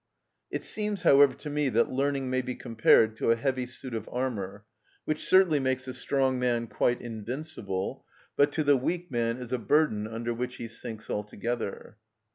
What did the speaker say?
It seems, however, to me that learning may be compared to a heavy suit of armour, which certainly makes the strong man quite invincible, but to the weak man is a burden under which he sinks altogether.